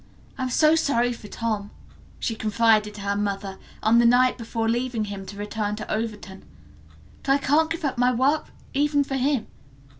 "I'm so sorry for Tom," she confided to her mother, on the night before leaving home to return to Overton, "but I can't give up my work, even for him.